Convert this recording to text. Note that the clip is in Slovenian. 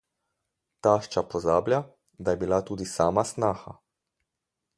Tašča pozablja, da je bila tudi sama snaha.